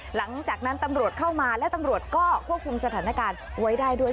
หลังจากนั้นตำรวจเข้ามาและตำรวจก็ควบคุมสถานการณ์ไว้ได้ด้วย